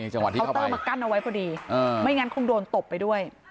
เคาน์เตอร์มากั้นเอาไว้พอดีไม่งั้นคงโดนตบไปด้วย